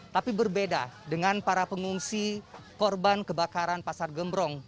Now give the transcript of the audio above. tapi berbeda dengan para pengungsi korban kebakaran pasar gembrong